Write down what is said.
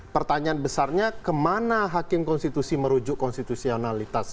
pertanyaan besarnya kemana hakim konstitusi merujuk konstitusionalitas